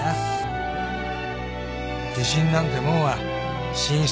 自信なんてもんは神出